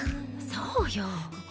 そうよ。